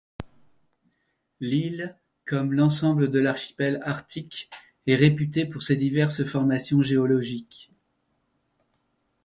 L'île, comme l'ensemble de l'archipel arctique, est réputée pour ses diverses formations géologiques.